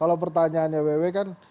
kalau pertanyaannya wewe kan